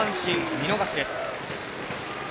見逃しです。